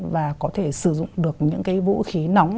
và có thể sử dụng được những cái vũ khí nóng